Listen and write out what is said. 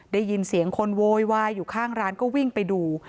ได้ยินเสียงคนโวยวายอยู่ข้างร้านก็วิ่งไปดู